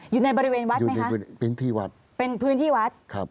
อยู่ในบริเวณวัดไหมคะเป็นพื้นที่วัด